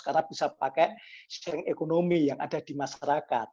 karena bisa pakai sharing ekonomi yang ada di masyarakat